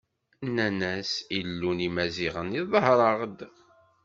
Nnan-as: Illu n Imaziɣen iḍher-aɣ-d.